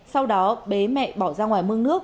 sau đó bế mẹ bỏ ra ngoài mương nước